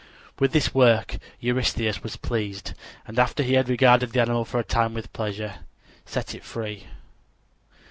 With this work Eurystheus was pleased, and after he had regarded the animal for a time with pleasure, set it free.